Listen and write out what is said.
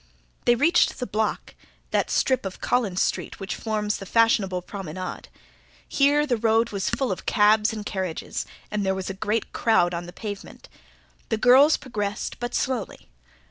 They reached the "block", that strip of Collins Street which forms the fashionable promenade. Here the road was full of cabs and carriages, and there was a great crowd on the pavement. The girls progressed but slowly.